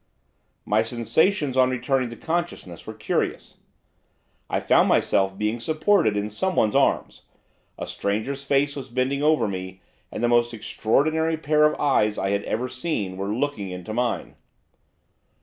My sensations on returning to consciousness were curious. I found myself being supported in someone's arms, a stranger's face was bending over me, and the most extraordinary pair of eyes I had ever seen were looking into mine.